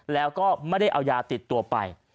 แล้วก็ไม่ได้เอายาติดตัวไป